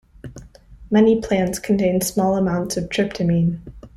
Many plants contain small amounts of tryptamine.